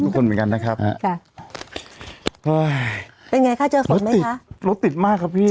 คุณเหมือนกันนะครับค่ะเอาไงรถติดมากครับพี่